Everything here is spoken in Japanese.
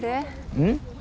うん？